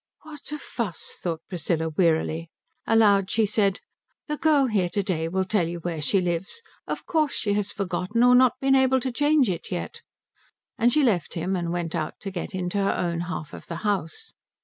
"What a fuss," thought Priscilla wearily. Aloud she said, "The girl here to day will tell you where she lives. Of course she has forgotten, or not been able to change it yet." And she left him, and went out to get into her own half of the house.